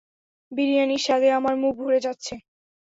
বিরিয়ানির স্বাদে আমার মুখ ভরে যাচ্ছে!